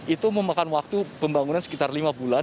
itu memakan waktu pembangunan sekitar lima bulan